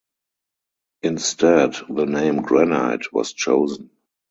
Instead, the name "Granite" was chosen.